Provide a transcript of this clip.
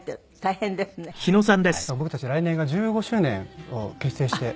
僕たち来年が１５周年結成して。